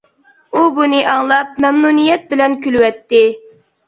ئۇ بۇنى ئاڭلاپ مەمنۇنىيەت بىلەن كۈلۈۋەتتى.